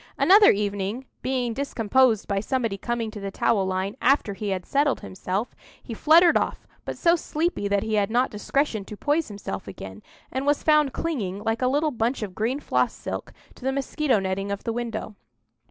Another evening, being discomposed by somebody coming to the towel line after he had settled himself, he fluttered off; but so sleepy that he had not discretion to poise himself again, and was found clinging, like a little bunch of green floss silk, to the mosquito netting of the window.